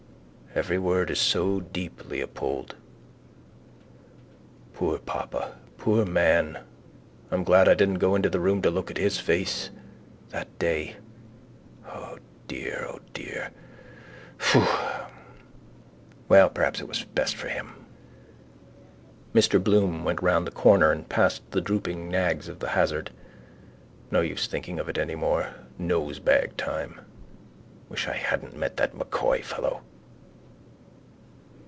Every word is so deep, Leopold. Poor papa! Poor man! I'm glad I didn't go into the room to look at his face. That day! O, dear! O, dear! Ffoo! Well, perhaps it was best for him. Mr Bloom went round the corner and passed the drooping nags of the hazard. No use thinking of it any more. Nosebag time. Wish I hadn't met that M'Coy fellow.